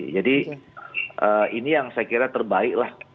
jadi ini yang saya kira terbaik lah